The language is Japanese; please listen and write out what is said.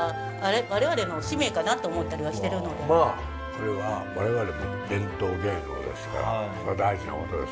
それは我々も伝統芸能ですからそれは大事なことです。